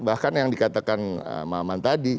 iya bahkan yang dikatakan mahman tadi